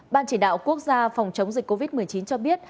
ban chỉ đạo quốc gia phòng chống dịch covid một mươi chín cho biết